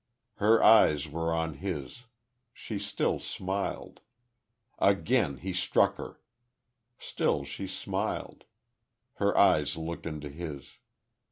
Her eyes were on his.... She still smiled.... Again he struck her.... Still she smiled.... Her eyes looked into his.